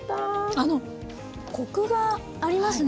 あのコクがありますね